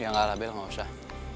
ya gak lah bel gak usah